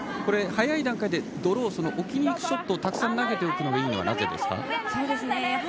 早い段階でドロー、置きに行くショットをたくさん投げていくのが良いのはなぜですか？